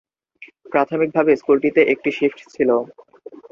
প্রাথমিকভাবে স্কুলটিতে একটি শিফট ছিল।